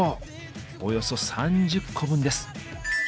およそ３０個分です。